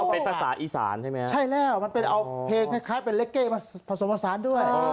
อ๋อเป็นภาษาอีสานใช่ไหมครับมันเป็นเอาเพลงคล้ายเป็นเล็กเก้มาผสมภาษาด้วย